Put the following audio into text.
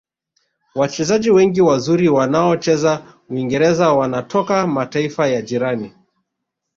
wachezaji wengi wazuri waonaocheza uingereza wanatoka mataifa ya jirani